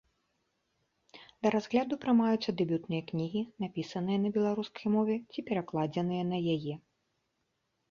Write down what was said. Да разгляду прымаюцца дэбютныя кнігі, напісаныя на беларускай мове ці перакладзеныя на яе.